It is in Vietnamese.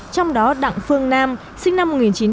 trong đó đặng phương nam sinh năm một nghìn chín trăm chín mươi bốn